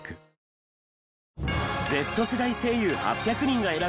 Ｚ世代声優８００人が選ぶ！